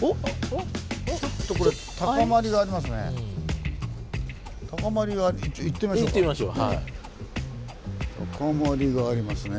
ちょっとこれ高まりがありますね。